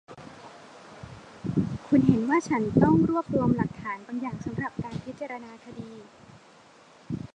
คุณเห็นว่าฉันต้องรวบรวมหลักฐานบางอย่างสำหรับการพิจารณาคดี